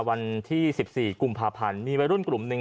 วันที่๑๔กุมภาพันธ์มีวัยรุ่นกลุ่มหนึ่ง